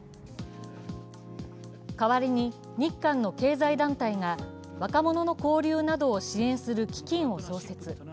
代わりに、日韓の経済団体が若者の交流などを支援する基金を創設。